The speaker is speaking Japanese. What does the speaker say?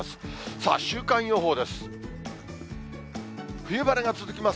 さあ、週間予報です。